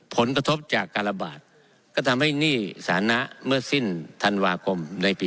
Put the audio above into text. ผลกระทบจากการระบาดก็ทำให้หนี้สานะเมื่อสิ้นธันวาคมในปี๒๕